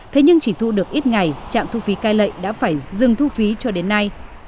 thế nhưng chỉ thu được ít ngày trạm thu phí cai lệ đã phải dừng thu phí cho đến nay